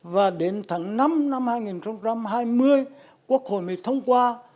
và đến tháng năm năm hai nghìn hai mươi quốc hội mới thông qua